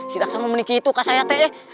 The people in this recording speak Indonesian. si daksa mau menikih itu kak sayate